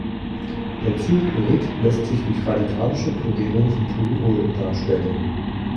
Benzylchlorid lässt sich durch radikalische Chlorierung von Toluol darstellen.